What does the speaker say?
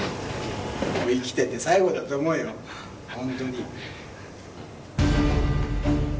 生きてて最後だと思うよ、本当に。